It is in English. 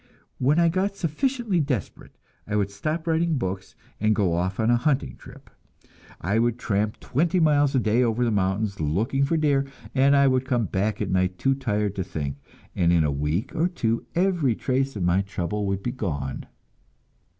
When I got sufficiently desperate, I would stop writing books and go off on a hunting trip. I would tramp twenty miles a day over the mountains, looking for deer, and I would come back at night too tired to think, and in a week or two every trace of my trouble would be gone.